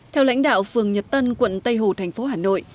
theo lãnh đạo phường nhật tân quận tây hồ thành phố hà nội